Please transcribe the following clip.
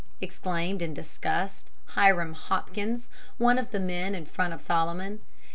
exclaimed, in disgust, Hiram Hopkins, one of the men in front of Solomon.